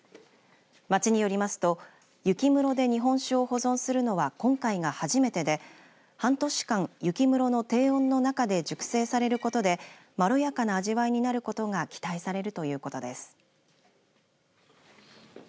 町によりますと雪室で日本酒を保存するのは今回が初めてで、半年間氷室の低温の中で熟成されることでまろやかな味わいになることが期待されるということです。